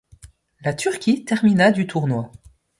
La Turquie termina du tournoi.